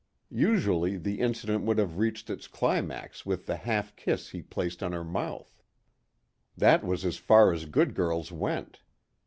Usually the incident would have reached its climax with the half kiss he placed on her mouth. That was as far as good girls went.